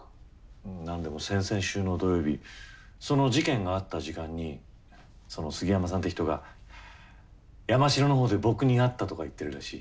何でも先々週の土曜日その事件があった時間にその杉山さんって人が山代の方で僕に会ったとか言ってるらしい。